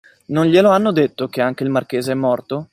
Non glielo hanno detto che anche il marchese è morto?